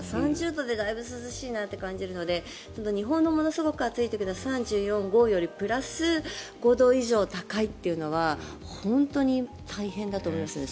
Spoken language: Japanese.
３０度でだいぶ涼しいなと感じるのに日本の暑い時で３４度、３５度よりプラス５度以上高いというのは本当に大変だと思いますね。